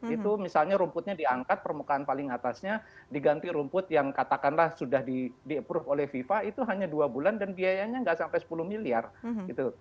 itu misalnya rumputnya diangkat permukaan paling atasnya diganti rumput yang katakanlah sudah di approve oleh fifa itu hanya dua bulan dan biayanya nggak sampai sepuluh miliar gitu